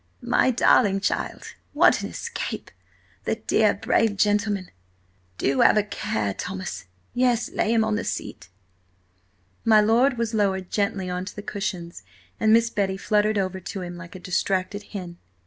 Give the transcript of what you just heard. "My darling child, what an escape! The dear, brave gentleman! Do have a care, Thomas! Yes, lay him on the seat." My lord was lowered gently on to the cushions, and Miss Betty fluttered over to him like a distracted hen.